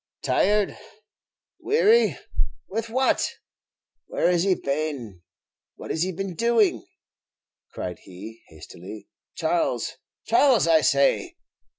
"Tired! weary! with what? Where has he been; what has he been doing?" cried he, hastily. "Charles, Charles, I say!"